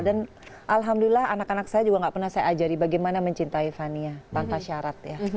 dan alhamdulillah anak anak saya juga tidak pernah saya ajarin bagaimana mencintai fania tanpa syarat ya